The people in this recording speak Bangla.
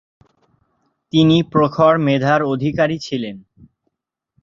তিনি প্রখর মেধার অধিকারী ছিলেন।